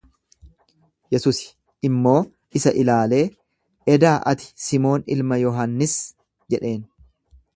Yesusi immoo isa ilaalee, Edaa ati Simoon ilma Yohannis jedheen.